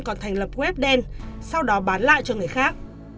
còn thành lập web đen sau đó bán lại cho người khác